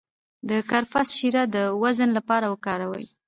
د کرفس شیره د وزن لپاره وکاروئ